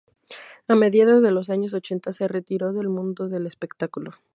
A mediados de los años ochenta se retiró del mundo del espectáculo.